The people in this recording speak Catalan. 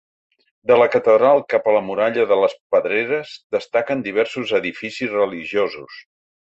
De la catedral cap a la muralla de les Pedreres destaquen diversos edificis religiosos.